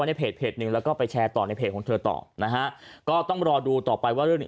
ในเพจหนึ่งแล้วก็ไปแชร์ต่อในเพจของเธอต่อนะฮะก็ต้องรอดูต่อไปว่าเรื่องนี้